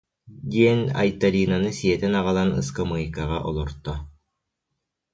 диэн Айталинаны сиэтэн аҕалан ыскамыайкаҕа олорто